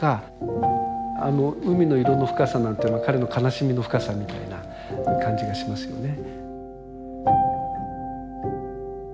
あの海の色の深さなんていうのは彼の悲しみの深さみたいな感じがしますよね。